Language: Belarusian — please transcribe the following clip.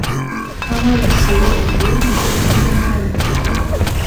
Амаль усе яны вельмі рацыянальныя.